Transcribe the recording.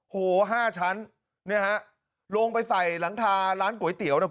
โหห้าชั้นเนี่ยฮะลงไปใส่หลังคาร้านก๋วยเตี๋ยวเนี่ย